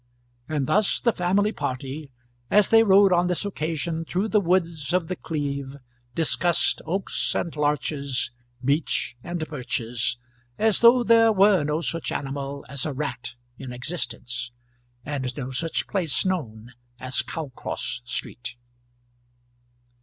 And thus the family party, as they rode on this occasion through the woods of The Cleeve, discussed oaks and larches, beech and birches, as though there were no such animal as a rat in existence, and no such place known as Cowcross Street.